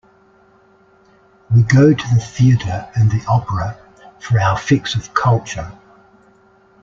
We go to the theatre and the opera for our fix of culture